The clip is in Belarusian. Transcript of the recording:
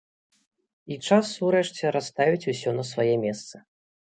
І час урэшце расставіць усё на свае месцы.